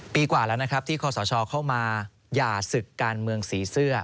ปีกว่าแล้วนะครับที่คอสชเข้ามาหย่าศึกการเมืองสีเสื้อ